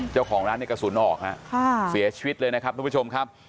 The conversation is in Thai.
เจ้าของร้านในกระสุนออกฮะเสียชีวิตเลยนะครับทุกผู้ชมครับ